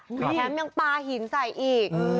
แถมยังปลาหินใส่อีก